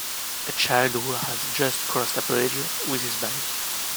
A child who has just crossed a bridge with his bike.